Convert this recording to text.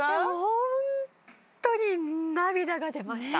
ホントに涙が出ました。